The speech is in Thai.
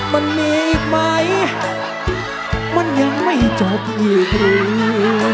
มันมีอีกไหมมันยังไม่จบอีกรู้